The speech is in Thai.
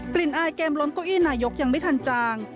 กลิ่นอายเกดนโก้ยหน่ายกยังไม่ทันจาง